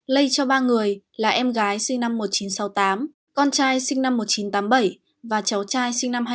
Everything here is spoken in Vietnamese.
lây cho ba người là em gái sinh năm một nghìn chín trăm sáu mươi tám con trai sinh năm một nghìn chín trăm tám mươi bảy và cháu trai sinh năm hai nghìn